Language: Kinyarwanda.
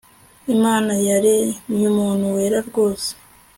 Imana yaremyumuntu wera rwose